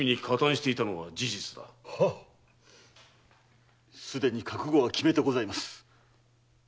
はっすでに覚悟は決めてございます。